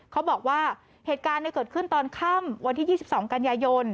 เขาบอกว่าเหตุการณ์เกิดขึ้นตอนค่ำวันที่๒๒กันยายน